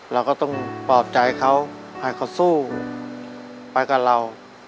เราก็ต้องปลอบใจเขาให้เขาสู้ไปกับเรา